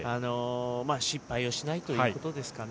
失敗をしないということですかね。